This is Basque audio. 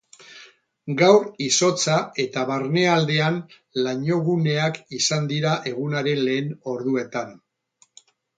Gaur izotza eta barnealdean lainoguneak izan dira egunaren lehen orduetan.